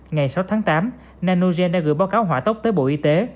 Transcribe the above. ngày sáu tháng tám nanogen đã gửi báo cáo hỏa tốc tới bộ y tế